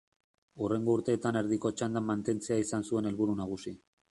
Hurrengo urteetan erdiko txandan mantentzea izan zuen helburu nagusi.